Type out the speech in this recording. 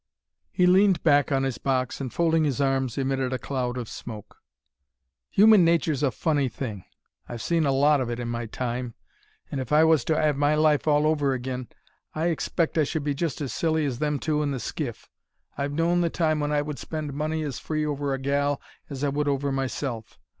He leaned back on his box and, folding his arms, emitted a cloud of smoke. "Human natur's a funny thing. I've seen a lot of it in my time, and if I was to 'ave my life all over agin I expect I should be just as silly as them two in the skiff. I've known the time when I would spend money as free over a gal as I would over myself.